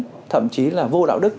rất là tàn nhẫn thậm chí là vô đạo đức